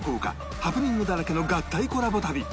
ハプニングだらけの合体コラボ旅